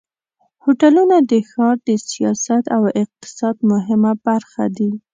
هوټلونه د ښار د سیاحت او اقتصاد مهمه برخه دي.